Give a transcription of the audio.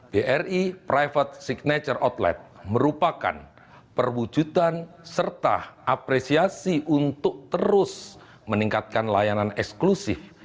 bri private signature outlet merupakan perwujudan serta apresiasi untuk terus meningkatkan layanan eksklusif